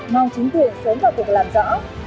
mong chính thuyền sớm vào cuộc làm rõ